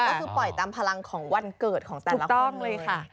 ก็คือปล่อยตามพลังของวันเกิดของแต่ละกล้องเลยค่ะ